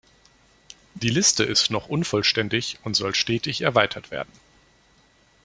Die Liste ist noch unvollständig und soll stetig erweitert werden.